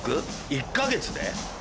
１カ月で？